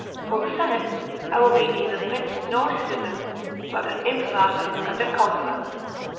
For the senate, I will be neither prince nor a citizen, but an Imperator and a conqueror."